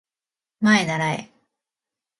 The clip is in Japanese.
まえならえ